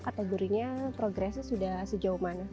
kategorinya progresnya sudah sejauh mana